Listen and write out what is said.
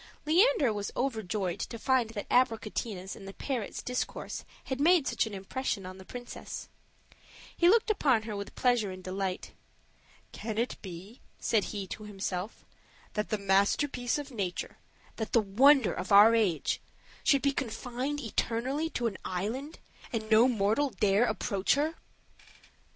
Leander was overjoyed to find that Abricotina's and the parrot's discourse had made such an impression on the princess. He looked upon her with pleasure and delight. "Can it be," said he to himself, "that the masterpiece of nature, that the wonder of our age, should be confined eternally in an island, and no mortal dare to approach her?